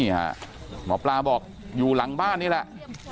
หมอปลาบอกอยู่หลังบ้านนี่แหละ